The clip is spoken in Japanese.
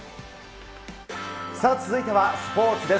さあ、続いてはスポーツです。